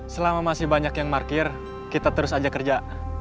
selama masih banyak yang markir kita terus aja kerja